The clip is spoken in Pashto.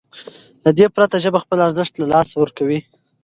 له دې پرته ژبه خپل ارزښت له لاسه ورکوي.